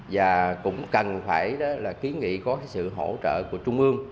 và cũng cần phải ký nghị có sự hỗ trợ của trung ương